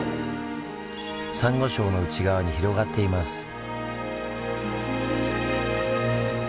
サンゴ礁の内側に広がっています。